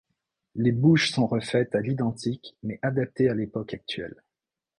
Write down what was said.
Les bouches sont refaites à l'identique mais adaptées à l'époque actuelle.